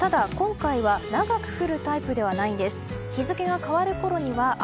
ただ、今回は長く降るタイプではないんです。